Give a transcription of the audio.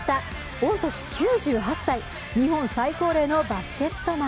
御年９８歳、日本最高齢のバスケットマン。